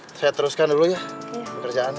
ya saya teruskan dulu ya bekerjaannya